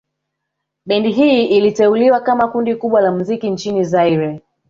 Bendi hii iliteuliwa kama kundi kubwa ya muziki nchini Zaire